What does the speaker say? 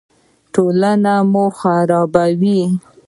ټولنه مه خرابوئ